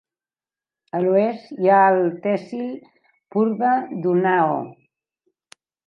A l'oest hi ha el tehsil Purwa d'Unnao.